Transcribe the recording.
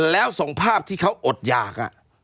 แล้วส่งภาพที่เขาอดหยาก